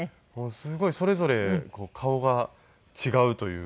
すごいそれぞれ顔が違うというか。